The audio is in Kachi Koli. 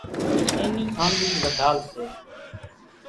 اين نِي آنڳرِي وڍال سي۔